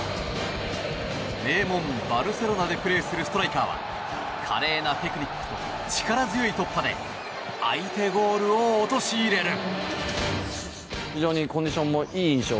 名門バルセロナでプレーするストライカーは華麗なテクニックと力強い突破で相手ゴールを陥れる。